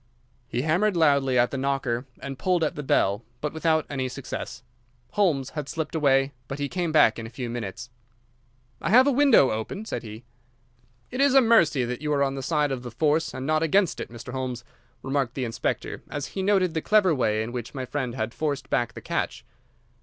He hammered loudly at the knocker and pulled at the bell, but without any success. Holmes had slipped away, but he came back in a few minutes. "I have a window open," said he. "It is a mercy that you are on the side of the force, and not against it, Mr. Holmes," remarked the inspector, as he noted the clever way in which my friend had forced back the catch.